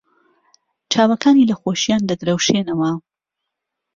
چاوەکانی لە خۆشییان دەدرەوشێنەوە.